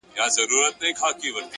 مثبت ذهن د فرصتونو بوی احساسوي.